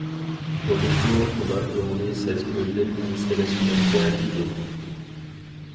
بولۇپمۇ ئۇلار ئوغلى سەزگۈردىن ئەنسىرەشمەكتە ئىدى.